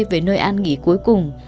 về nơi ăn nghỉ cuối cùng